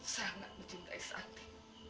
sangat mencintai santi